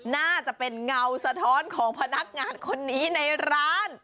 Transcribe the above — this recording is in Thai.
น่าจะเป็นเงาสะท้อนของพนักงานคนนี้ในร้าน